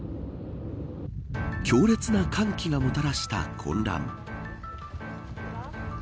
強烈な寒気がもたらした混乱。